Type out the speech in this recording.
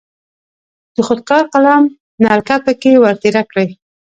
د خودکار قلم نلکه پکې ور تیره کړئ.